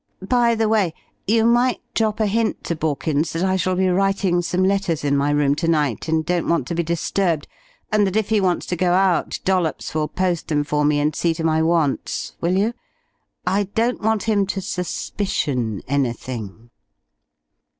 By the way, you might drop a hint to Borkins that I shall be writing some letters in my room to night, and don't want to be disturbed, and that if he wants to go out, Dollops will post them for me and see to my wants; will you? I don't want him to 'suspicion' anything."